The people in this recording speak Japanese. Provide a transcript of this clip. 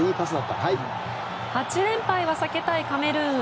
８連敗は避けたいカメルーン。